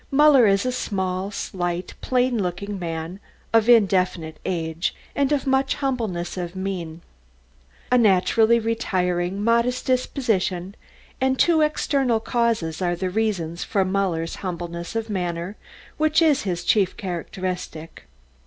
Muller is a small, slight, plain looking man, of indefinite age, and of much humbleness of mien. A naturally retiring, modest disposition, and two external causes are the reasons for Muller's humbleness of manner, which is his chief characteristic.